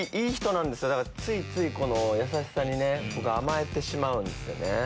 だからついついこの優しさにね僕甘えてしまうんですよね。